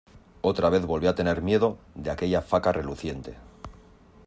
otra vez volví a tener miedo de aquella faca reluciente.